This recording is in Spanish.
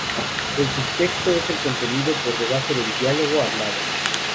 El subtexto es el contenido por debajo del diálogo hablado.